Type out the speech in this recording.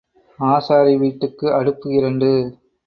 ஆசாரி வீட்டுக்கு அடுப்பு இரண்டு.